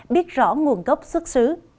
biết rõ nguồn gốc xuất xứ